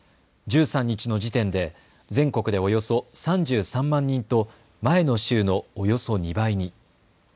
１３日の時点で全国でおよそ３３万人と前の週のおよそ２倍に。